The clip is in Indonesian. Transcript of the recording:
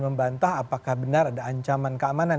membantah apakah benar ada ancaman keamanan